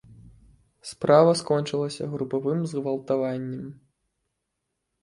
Справа скончылася групавым згвалтаваннем.